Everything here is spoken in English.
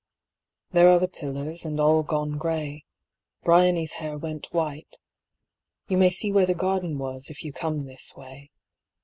There are the pillars, and all gone gray. Briony's hair went white. You may see Where the garden was if you come this way.